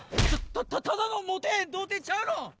ただのモテない童貞ちゃうぞ。